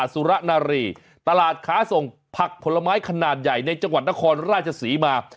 สุระนารีตลาดค้าส่งผักผลไม้ขนาดใหญ่ในจังหวัดนครราชศรีมา